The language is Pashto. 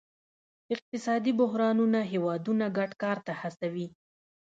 اقتصادي بحرانونه هیوادونه ګډ کار ته هڅوي